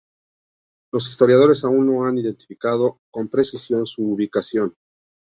Los historiadores aún no han identificado con precisión su ubicación.